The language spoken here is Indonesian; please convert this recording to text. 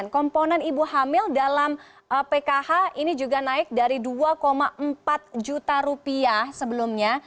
komponen ibu hamil dalam pkh ini juga naik dari dua empat juta rupiah sebelumnya